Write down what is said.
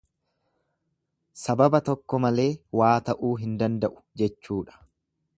Sababa tokko malee waa ta'uu hin danda'u jechuudha.